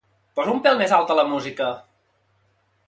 Posa un pèl més alta la música.